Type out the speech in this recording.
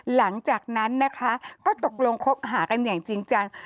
หลังจากนั้นนะคะก็ตกลงคบหากันอย่างจริงจัง